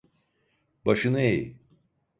Başını eğ!